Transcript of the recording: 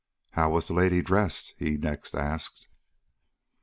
"How was the lady dressed?" he next asked.